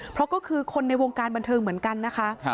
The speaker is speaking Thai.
เพราะก็คือคนในวงการบันเทิงเหมือนกันนะคะ